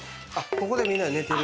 ここでみんなで寝てる。